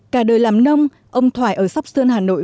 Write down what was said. cả đời làm nông ông thoải ở sóc sơn hà nội